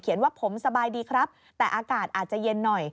ว่าผมสบายดีครับแต่อากาศอาจจะเย็นหน่อย